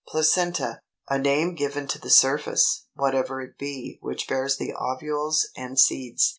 PLACENTA, a name given to the surface, whatever it be, which bears the ovules and seeds.